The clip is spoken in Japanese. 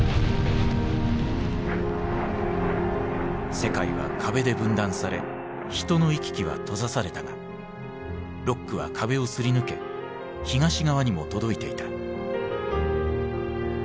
世界は壁で分断され人の行き来は閉ざされたがロックは壁をすり抜け東側にも届いていた。